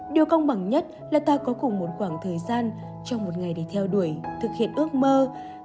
điều công bằng nhất là ta có cùng một khoảng thời gian trong một ngày để theo đuổi thực hiện ước mơ tìm kiếm sự tự do của mình